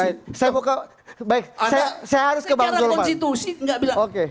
saya harus ke bang zulman